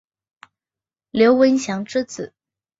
刘文翔之子。